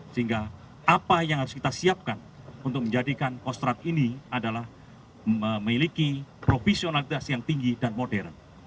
sehingga apa yang harus kita siapkan untuk menjadikan kostrat ini adalah memiliki profesionalitas yang tinggi dan modern